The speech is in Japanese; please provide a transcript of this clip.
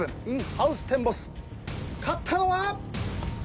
ハウステンボス勝ったのは。